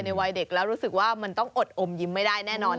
วัยเด็กแล้วรู้สึกว่ามันต้องอดอมยิ้มไม่ได้แน่นอน